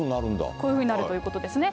こういうふうになるということですね。